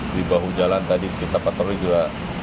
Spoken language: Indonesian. di bahu jalan tadi kita patroli juga